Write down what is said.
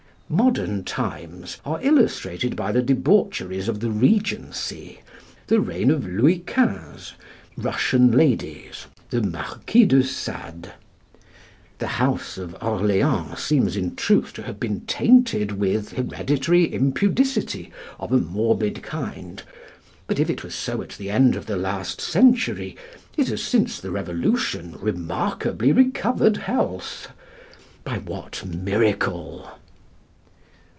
Modern times are illustrated by the debaucheries of the Regency, the reign of Louis XV., Russian ladies, the Marquis de Sade. The House of Orleans seems in truth to have been tainted with hereditary impudicity of a morbid kind. But if it was so at the end of the last century, it has since the Revolution remarkably recovered health by what miracle?